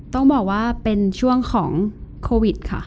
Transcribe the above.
ต้องบอกว่าเป็นช่วงของโควิดค่ะ